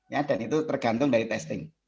ya dan itu tergantung dari testing